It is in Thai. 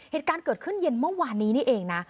เหตุการณ์เกิดขึ้นเย็นเมื่อวานนี้นี่เองนะ